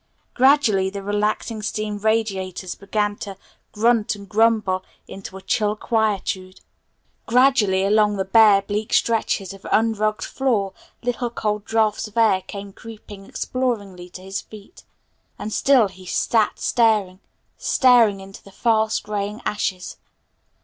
Gradually the relaxing steam radiators began to grunt and grumble into a chill quietude. Gradually along the bare, bleak stretches of unrugged floor little cold draughts of air came creeping exploringly to his feet. And still he sat staring staring into the fast graying ashes.